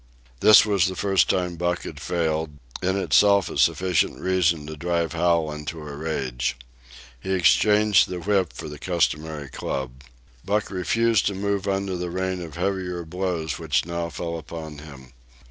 This was the first time Buck had failed, in itself a sufficient reason to drive Hal into a rage. He exchanged the whip for the customary club. Buck refused to move under the rain of heavier blows which now fell upon him.